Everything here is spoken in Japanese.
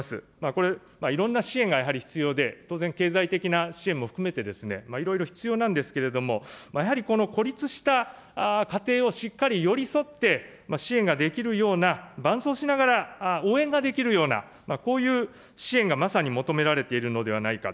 これ、いろんな支援がやはり必要で、当然経済的な支援も含めていろいろ必要なんですけれども、やはりこの孤立した家庭をしっかり寄り添って支援ができるような伴走しながら応援ができるような、こういう支援がまさに求められているのではないか。